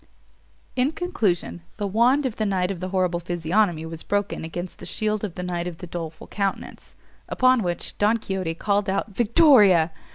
In conclusion, the wand of the knight of the horrible physiognomy was broken against the shield of the knight of the doleful countenance; upon which Don Quixote called out victoria!